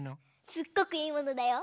すっごくいいものだよ。